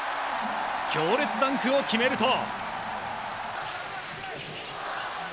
強烈ダンクを決めると。